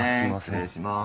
失礼します。